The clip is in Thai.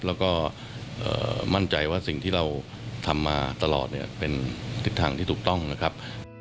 แล้วก็มั่นใจว่าสิ่งที่เราทำมาตลอดเนี่ยเป็นทิศทางที่ถูกต้องนะครับ